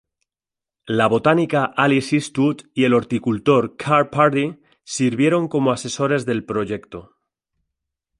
La botánica Alice Eastwood y el horticultor Carl Purdy sirvieron como asesores del proyecto.